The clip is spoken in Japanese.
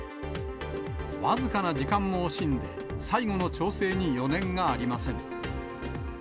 僅かな時間も惜しんで、最後の調整に余念がありません。